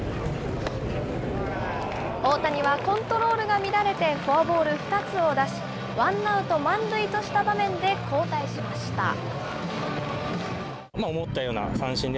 大谷はコントロールが乱れてフォアボール２つを出し、ワンアウト満塁とした場面で交代しました。